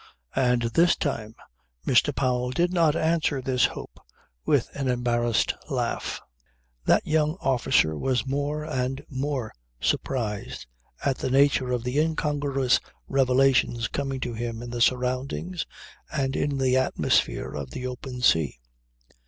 And this time Mr. Powell did not answer this hope with an embarrassed laugh. That young officer was more and more surprised at the nature of the incongruous revelations coming to him in the surroundings and in the atmosphere of the open sea.